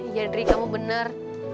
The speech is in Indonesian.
ya diri kamu benar